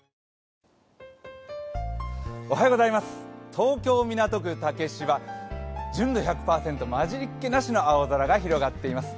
東京・港区竹芝純度１００％、まじりっけなしの青空が広がっています。